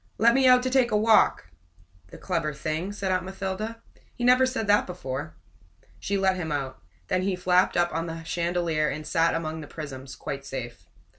"Let me out to take a walk!" "The clever thing!" said Aunt Mathilda. "He never said that before." She let him out. Then he flapped up on the chandelier and sat among the prisms, quite safe.